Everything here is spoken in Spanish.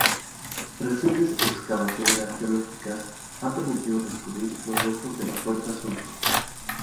Recientes excavaciones arqueológicas han permitido descubrir los restos de la Puerta Sur.